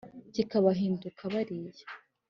kikabahinduka bariye